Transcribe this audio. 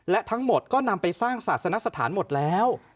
และทั้งหมดก็นำไปสร้างศาสนสถานหมดแล้ว